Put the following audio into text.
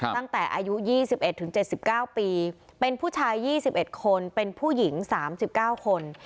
ตั้งแต่อายุยี่สิบเอ็ดถึงเจ็ดสิบเก้าปีเป็นผู้ชายยี่สิบเอ็ดคนเป็นผู้หญิงสามสิบเก้าคน